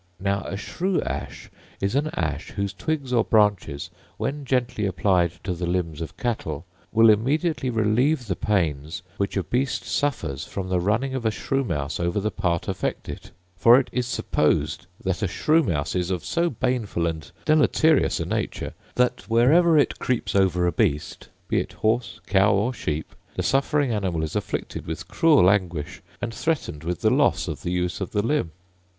Now a shrew ash is an ash whose twigs or branches, when gently applied to the limbs of cattle, will immediately relieve the pains which a beast suffers from the running of a shrew mouse over the part affected: for it is supposed that a shrew mouse is of so baneful and deleterious a nature, that wherever it creeps over a beast, be it horse, cow, or sheep, the suffering animal is afflicted with cruel anguish, and threatened with the loss of the use of the limb.